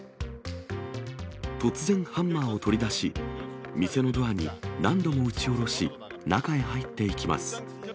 突然、ハンマーを取り出し、店のドアに何度も打ち下ろし、中へ入っていきます。